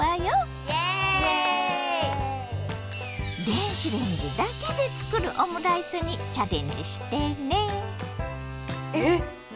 電子レンジだけで作るオムライスにチャレンジしてね。